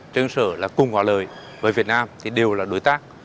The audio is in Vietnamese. trên sở là cùng hòa lời với việt nam thì đều là đối tác